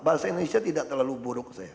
bahasa indonesia tidak terlalu buruk saya